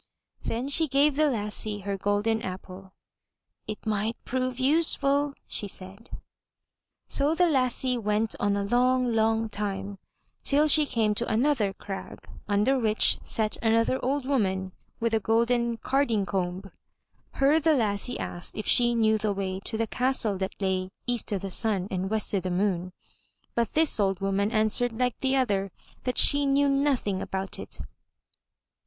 '' Then she gave the lassie her golden apple. *'It might prove useful/' she said. So the lassie went on a long, long time till she came to an other crag, under which sat another old woman with a golden carding comb. Her the lassie asked if she knew the way to the castle that lay EAST O' THE SUN AND WEST O' THE MOON, but this old woman answered like the other, that she knew nothing about it.